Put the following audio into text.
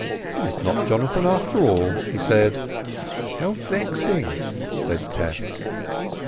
"It is not Jonathan, after all," he said. "How vexing!" said Tess.